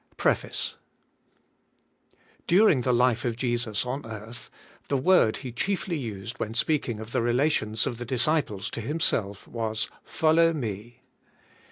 PREFACE, DURING the life of Jesus on earth, the word He chiefly used when speaking of the relations of the disciples to Himself was: 'Follow me.'